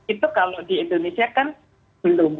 itu kalau di indonesia kan belum